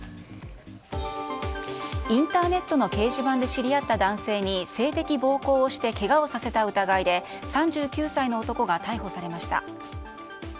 インターネットの掲示板で知り合った男性に性的暴行をしてけがをさせた疑いで３９歳の男が逮捕されました。